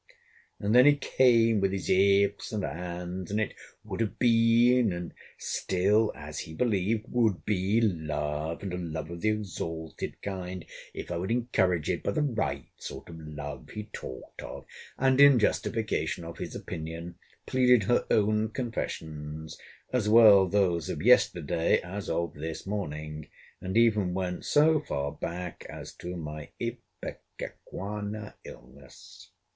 And then he came with his If's and And's—and it would have been, and still, as he believed, would be, love, and a love of the exalted kind, if I would encourage it by the right sort of love he talked of: and, in justification of his opinion, pleaded her own confessions, as well those of yesterday, as of this morning: and even went so far back as to my ipecacuanha illness.